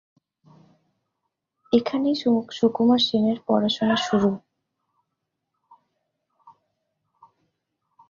এখানেই সুকুমার সেনের পড়াশোনার শুরু।